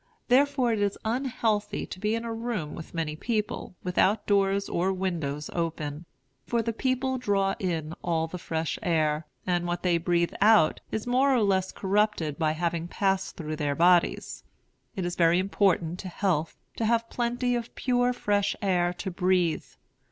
Therefore it is unhealthy to be in a room with many people, without doors or windows open; for the people draw in all the fresh air, and what they breathe out is more or less corrupted by having passed through their bodies. It is very important to health to have plenty of pure fresh air to breathe.